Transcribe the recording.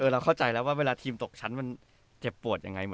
เราเข้าใจแล้วว่าเวลาทีมตกชั้นมันเจ็บปวดยังไง